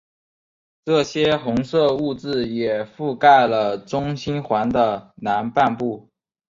这些红色物质也覆盖了中心环的南半部。